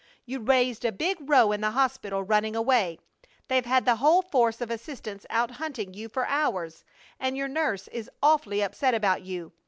You raised a big row in the hospital, running away. They've had the whole force of assistants out hunting you for hours, and your nurse is awfully upset about you.